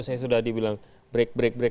saya sudah dibilang break break break